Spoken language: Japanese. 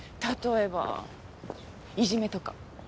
例えばいじめとか？